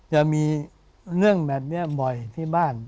จะมีเรื่องแบบนี้บ่อยที่บ้าน